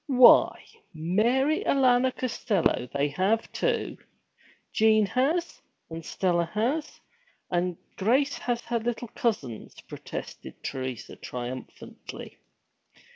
'Why, Mary Alanna Costello, they have too! Jean has, and Stella has, and Grace has her little cousins!' protested Teresa triumphantly.